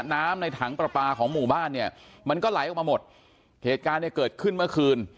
น้ำในถังประปาของหมู่บ้านเนี่ยมันก็ไหลออกมาหมดเหตุการณ์เนี่ยเกิดขึ้นเมื่อคืน